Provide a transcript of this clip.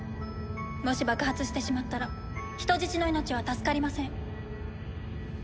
もし爆発してしまったら人質の命は助かりません。